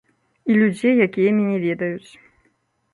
І людзей, якія мяне ведаюць.